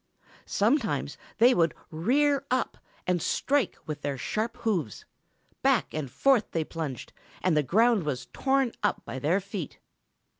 Sometimes they would rear up and strike with their sharp hoofs. Back and forth they plunged, and the ground was torn up by their feet.